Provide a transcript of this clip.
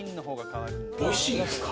おいしいんですか？